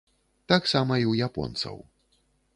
Таксама і ў японцаў.